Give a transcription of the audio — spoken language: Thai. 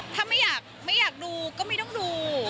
ถ้าไม่อยากดูก็ไม่ต้องดู